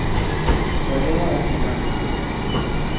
Volveu a Barcelona.